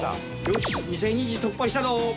よし２０００日突破したぞ！